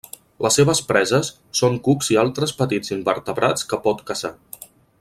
Les seves preses són cucs i altres petits invertebrats que pot caçar.